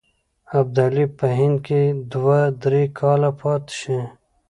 ابدالي په هند کې دوه درې کاله پاته شي.